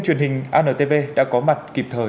truyền hình antv đã có mặt kịp thời